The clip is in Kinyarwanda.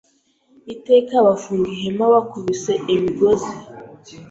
Iteka bafunga ihema Bakubise imigozi